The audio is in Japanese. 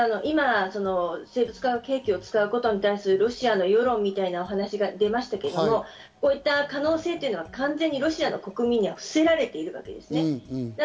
今、生物・化学兵器を使うことに対するロシアの世論みたいな話が出ましたけれども、こういった可能性は完全にロシア国民には伏せられているわけですよね。